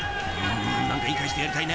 ［何か言い返してやりたいね